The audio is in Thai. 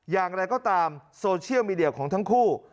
อย่างไรก็ตามโซเชียลมีเดียของทั้งคู่